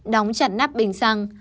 đóng chặt nắp bình xăng